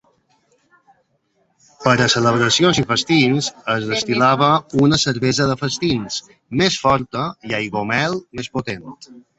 Per a celebracions i festins, es destil·lava una "cervesa de festins" més forta i aiguamel més potent.